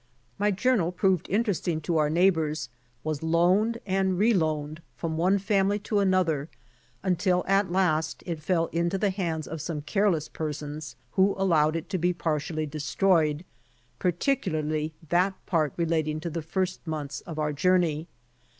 My journal proving interesting to our neigh INTRODUCTORY XI bors, was loaned and re loaned from one family to another until at last it fell into the hands of some careless persons who allowed it to be partially de stroyed, particularly that part relating to the first months of our journey.